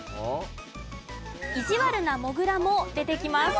意地悪なモグラも出てきます。